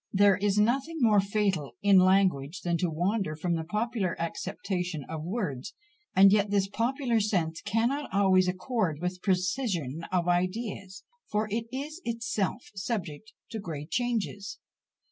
There is nothing more fatal in language than to wander from the popular acceptation of words; and yet this popular sense cannot always accord with precision of ideas, for it is itself subject to great changes.